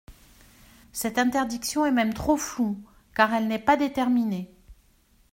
Cette interdiction est même trop floue, car elle n’est pas déterminée.